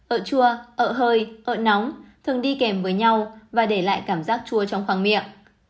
ở chua ở hơi ở nóng thường đi kèm với nhau và để lại cảm giác chua trong khoang miệng